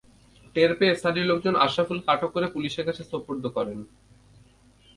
টের পেয়ে স্থানীয় লোকজন আশরাফুলকে আটক করে পুলিশের কাছে সোপর্দ করেন।